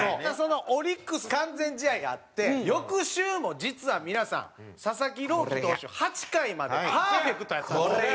オリックス完全試合があって翌週も実は皆さん佐々木朗希投手８回までパーフェクトやったんですよ。